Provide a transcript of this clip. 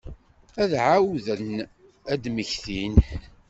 Ad ɛawden ad d-mmektin.